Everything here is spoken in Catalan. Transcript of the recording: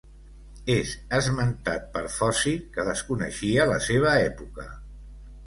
És esmentat per Foci que desconeixia la seva època.